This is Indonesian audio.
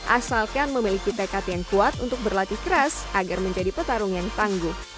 asalkan memiliki tekad yang kuat untuk berlatih keras agar menjadi petarung yang tangguh